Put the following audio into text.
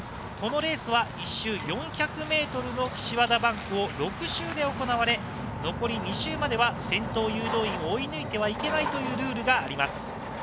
１周４００ｍの岸和田バンクを６周で行われ、残り２周までは先頭誘導員を追い抜いてはいけないルールがあります。